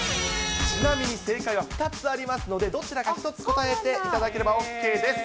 ちなみに正解は２つありますので、どちらか１つ答えていただければＯＫです。